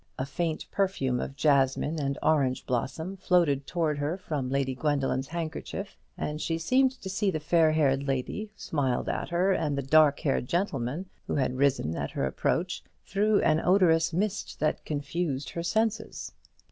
A faint perfume of jasmine and orange blossom floated towards her from Lady Gwendoline's handkerchief, and she seemed to see the fair haired lady who smiled at her, and the dark haired gentleman who had risen at her approach, through an odorous mist that confused her senses.